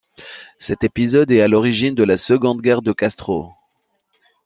Cet épisode est à l'origine de la seconde guerre de Castro.